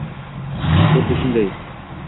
— Xuddi shunday.